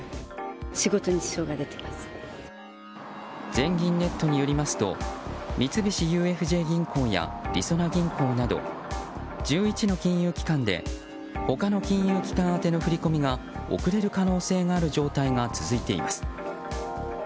全銀ネットによりますと三菱ＵＦＪ銀行やりそな銀行など１１の金融機関で他の金融機関宛ての振り込みが遅れる可能性がある状態が続いています。